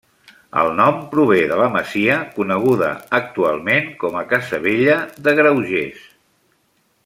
El nom prové de la masia coneguda actualment com a Casavella de Graugés.